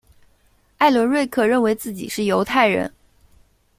艾伦瑞克认为自己是犹太人。